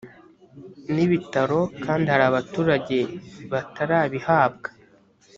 n ibitaro kandi hari abaturage batarabihabwa